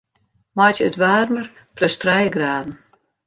Meitsje it waarmer plus trije graden.